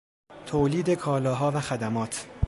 تولید کالاها و خدمات